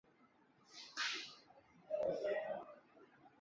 波尔多第三大学则保持独立。